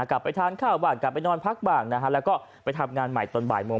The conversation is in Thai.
กลับไปทานข้าวบ้างกลับไปนอนพักบ้างนะฮะแล้วก็ไปทำงานใหม่ตอนบ่ายโมง